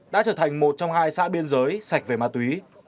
đã trở thành một trong hai xã biên giới sạch về ma túy